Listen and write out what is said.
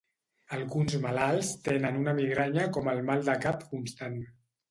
Alguns malalts tenen una migranya com el mal de cap constant.